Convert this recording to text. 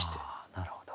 あなるほど。